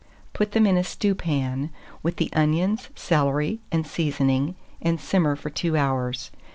Put them in a stewpan, with the onions, celery, and seasoning, and simmer for 2 hours.